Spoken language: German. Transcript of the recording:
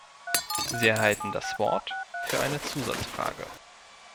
Sie erhalten das Wort für eine Zusatzfrage.